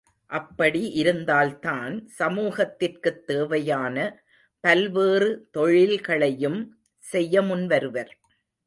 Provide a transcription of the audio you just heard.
அப்படி இருந்தால்தான் சமூகத்திற்குத் தேவையான பல்வேறு தொழில்களையும் செய்ய முன் வருவர்.